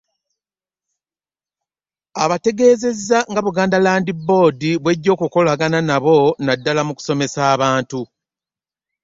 Abategeezezza nga Buganda Land Board bw’ejja okukolagana nabo naddala mu kusomesa abantu.